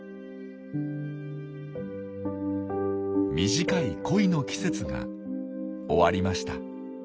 短い恋の季節が終わりました。